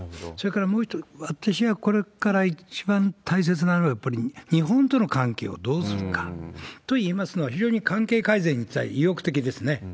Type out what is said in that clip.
それからもう一つ、私はこれから一番大切なのは、やっぱり日本との関係をどうするか。といいますのは、非常に関係改善に対して意欲的ですね。